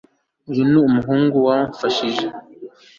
uyu ni umuhungu wamfashije